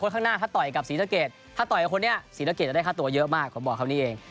ถ้าต่อยกับคนนี้สีสะเกียจจะได้ฆ่าตัวเยอะมากผมบอกคำนี้เอง